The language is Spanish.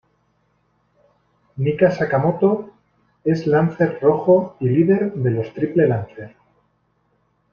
Mika Sakamoto es lancer rojo y líder de los Triple Lancer.